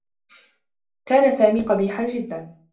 كان سامي قبيحا جدّا.